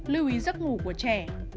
tám lưu ý giấc ngủ của trẻ